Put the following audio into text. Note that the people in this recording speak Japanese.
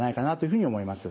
ふうに思います。